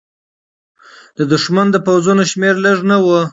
د دښمن د پوځونو شمېر لږ نه و.